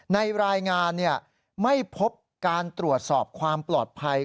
ในรายงานไม่พบการตรวจสอบความปลอดภัย